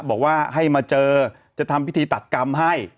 บอกว่าให้มาเจอจะทำพิธีตัดกรรมให้